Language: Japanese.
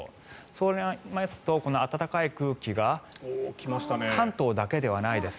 そうなりますとこの暖かい空気が関東だけではないです。